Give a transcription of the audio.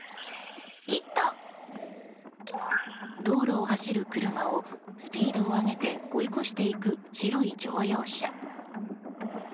道路を走る車をスピードを上げて追い越していく白い乗用車。